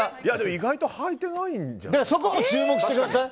意外と履いてないんじゃない？